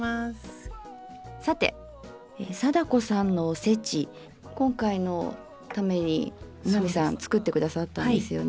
さて貞子さんのおせち今回のために奈美さん作って下さったんですよね。